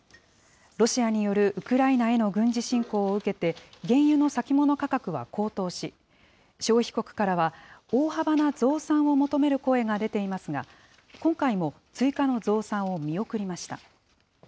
ロシアによるウクライナへの軍事侵攻を受けて、原油の先物価格は高騰し、消費国からは、大幅な増産を求める声が出ていますが、今回も追加の増産を見送りました。